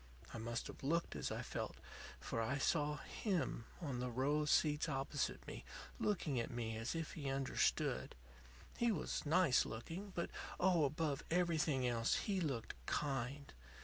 I must have looked as I felt, for I saw him on the row of seats opposite me, looking at me as if he understood. He was nice looking, but oh, above everything else, he looked kind.